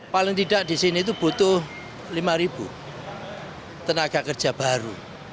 paling tidak di sini itu butuh lima tenaga kerja baru